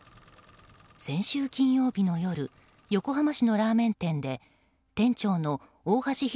先週金曜日の夜横浜市のラーメン店で店長の大橋弘